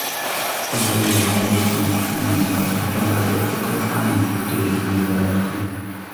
ازادي راډیو د بانکي نظام په اړه د کارګرانو تجربې بیان کړي.